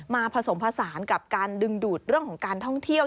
ผสมผสานกับการดึงดูดเรื่องของการท่องเที่ยว